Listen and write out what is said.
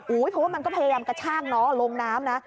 เพราะว่ามันก็พยายามกระชากน้องลงน้ำนะ